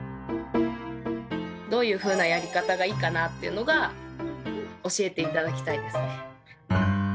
どういうふうなやり方がいいかなっていうのが教えて頂きたいですね。